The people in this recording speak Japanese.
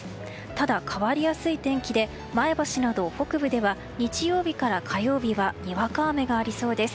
ただ、変わりやすい天気で前橋など北部では日曜日から火曜日はにわか雨がありそうです。